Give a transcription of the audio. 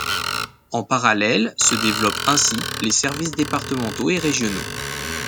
En parallèle se développent ainsi les services départementaux et régionaux.